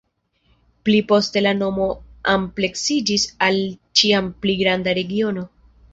Pli poste la nomo ampleksiĝis al ĉiam pli granda regiono.